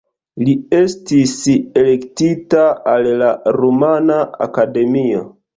Li estis elektita al la Rumana Akademio.